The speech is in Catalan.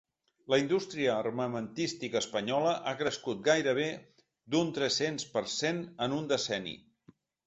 La indústria armamentística espanyola ha crescut gairebé d’un tres-cents per cent en un decenni.